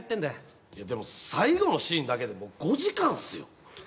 最後のシーンだけでもう５時間っすよ